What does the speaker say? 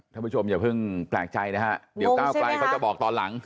ท่านผู้ชมอย่าเพิ่งแปลกใจนะฮะเดี๋ยวก้าวไกลเขาจะบอกตอนหลัง